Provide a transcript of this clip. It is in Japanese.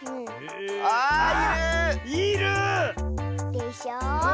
でしょ。